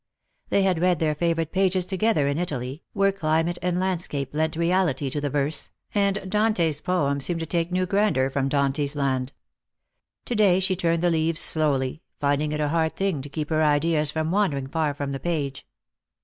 They had read their favourite pages together in Italy, where climate and landscape lent reality to the verse, and Dante's poem seemed to take new grandeur from Dante's land. To day she turned the leaves slowly, finding it a hard thing to keep her ideas from wandering far from the page.